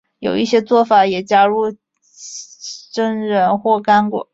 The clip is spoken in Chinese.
有一些做法也加入榛仁或干果。